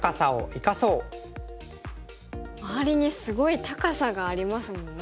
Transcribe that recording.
周りにすごい高さがありますもんね。